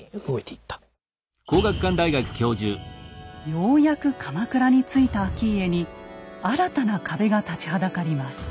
ようやく鎌倉に着いた顕家に新たな壁が立ちはだかります。